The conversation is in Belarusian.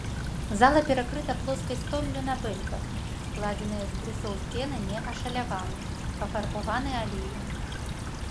Зала перакрыта плоскай столлю на бэльках, складзеныя з брусоў сцены не ашаляваны, пафарбаваны алеем.